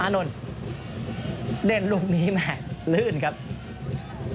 นวถเล่นลูกเหมือนก่อน